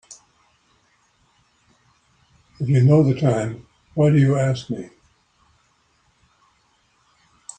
If you know the time why do you ask me?